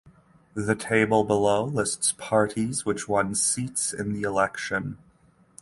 The table below lists parties which won seats in the election.